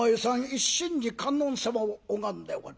一心に観音様を拝んでおる。